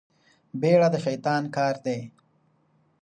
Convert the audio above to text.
بيړه د شيطان کار دی.